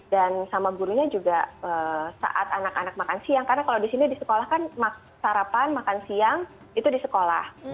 dan sama gurunya juga saat anak anak makan siang karena kalau di sini di sekolah kan sarapan makan siang itu di sekolah